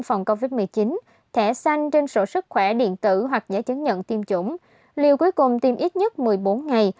phòng covid một mươi chín thẻ xanh trên sổ sức khỏe điện tử hoặc giấy chứng nhận tiêm chủng liều cuối cùng tiêm ít nhất một mươi bốn ngày